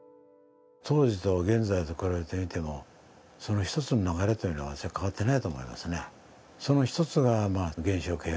当時と現在と比べてみても、その１つの流れというのは変わっていないと思いますね。